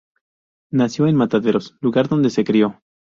Nació en Mataderos, lugar donde se crio.